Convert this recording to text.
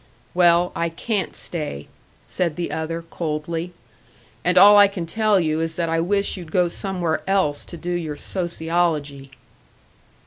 "Well, I can't stay," said the other, coldly. "And all I can tell you is that I wish you'd go somewhere else to do your sociology."